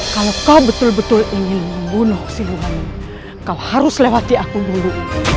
kalau kau betul betul ingin membunuh sindunganmu kau harus lewati aku dulu